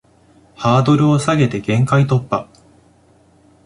ハードルを下げて限界突破